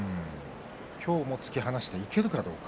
今日も突き離していけるかどうか。